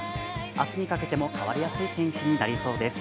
明日にかけても変わりやすい天気になりそうです。